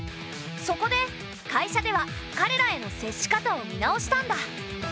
そこで会社ではかれらへの接し方を見直したんだ。